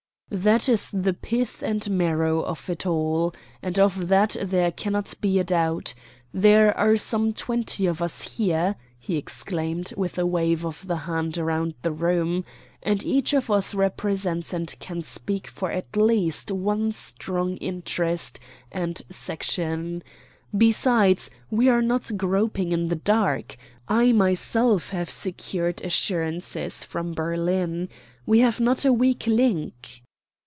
"That is the pith and marrow of it all; and of that there cannot be a doubt. There are some twenty of us here," he exclaimed, with a wave of the hand round the room; "and each of us represents and can speak for at least one strong interest and section. Besides, we are not groping in the dark. I myself have secured assurances from Berlin. We have not a weak link."